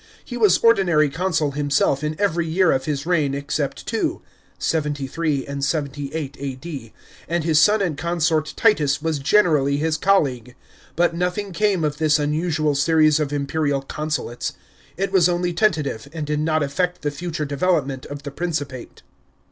He was ordinary consul himself in every year of his reign except two (73 and 78 A.D.), and his son and consort Titus was generally his colleague. But nothing came of this unusual series of imperial consulates. It was only tentative, and did not affect the future development of the Principate.